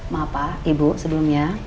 maaf pak ibu sebelumnya